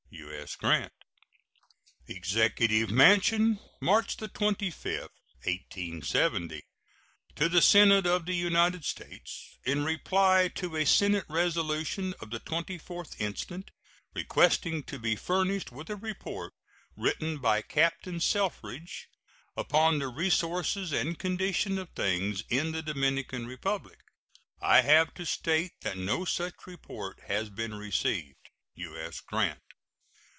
U.S. GRANT. EXECUTIVE MANSION, March 25, 1870. To the Senate of the United States: In reply to a Senate resolution of the 24th instant, requesting to be furnished with a report, written by Captain Selfridge, upon the resources and condition of things in the Dominican Republic, I have to state that no such report has been received. U.S. GRANT.